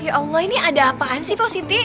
ya allah ini ada apaan sih pak siti